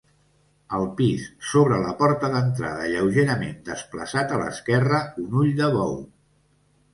Al pis, sobre la porta d'entrada lleugerament desplaçat a l'esquerra, un ull de bou.